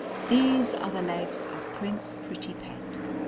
"These are the legs of Prince Prettypet.